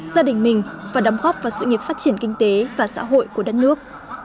gia đình mình và đóng góp vào sự nghiệp phát triển kinh tế và xã hội của đất nước